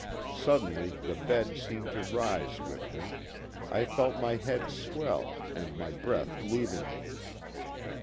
" Suddenly the bed seemed to rise with me _ I felt my head swell and my breath leaving me.